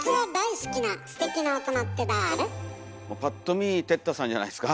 パッと見哲太さんじゃないですか？